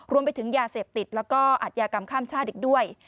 รวมไปถึงยาเสพติดแล้วก็อัธยากรรมข้ามชาติอีกด้วย